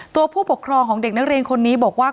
ผู้ปกครองของเด็กนักเรียนคนนี้บอกว่า